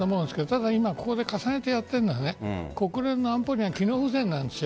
ただ、今重ねてやっているのは国連の安保理が機能不全なんです。